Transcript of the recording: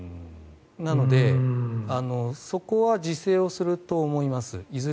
なのでそこは自制をすると思います。